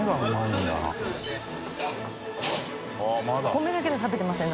米だけで食べてません？